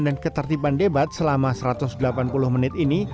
dan ketertiban debat selama satu ratus delapan puluh menit ini